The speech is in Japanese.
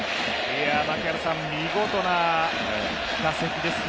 見事な打席ですね。